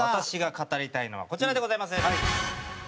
私が語りたいのはこちらでございます。